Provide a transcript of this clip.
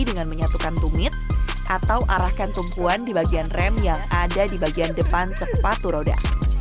dengan menyatukan tumit atau arahkan tumpuan di bagian rem yang ada di bagian depan sepatu roda